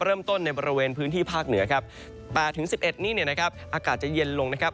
เริ่มต้นในบริเวณพื้นที่ภาคเหนือครับ๘๑๑นี่อากาศจะเย็นลงนะครับ